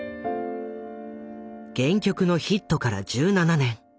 原曲のヒットから１７年。